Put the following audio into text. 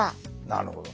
なるほど。